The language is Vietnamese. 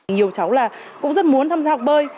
nhiều cháu cũng rất muốn tham gia học bơi